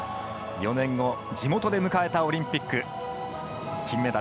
４年後地元で迎えたオリンピック。